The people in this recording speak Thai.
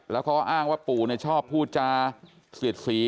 แล้วเขาอ้างว่าปู่ชอบพูดจาเสียดสี